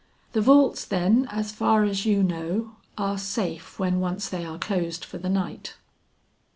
"The vaults then as far as you know, are safe when once they are closed for the night?"